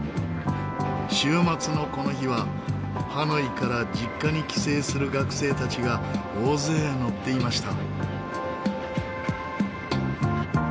週末のこの日はハノイから実家に帰省する学生たちが大勢乗っていました。